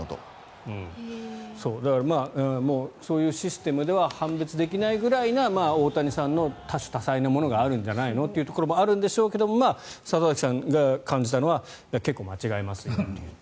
だからそういうシステムでは判別できないくらいな大谷さんの多種多彩なものがあるんじゃないのというところもあるんでしょうけど里崎さんが感じたのは結構間違えますよという。